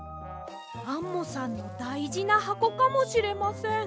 アンモさんのだいじなはこかもしれません。